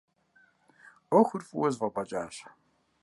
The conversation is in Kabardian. ӏуэхур фӏыуэ зэфӏэбгъэкӏащ.